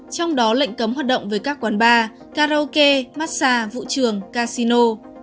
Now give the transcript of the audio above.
trong đó lệnh cấm hoạt động với các quán bar karaoke massage vũ trường casino